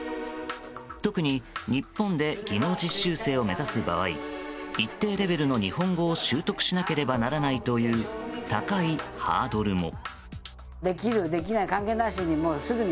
特に、日本で技能実習生を目指す場合一定レベルの日本語を習得しなければならないという高いハードルも。